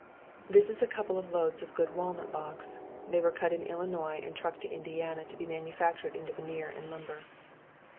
This is a couple of loads of good walnut logs. They were cut in Illinois and trucked to Indiana to be manufactured into veneer and lumber.